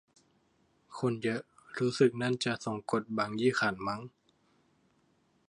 คนเยอะ รู้สึกนั่นจะ ทรงกลด บางยี่ขัน มั๊ง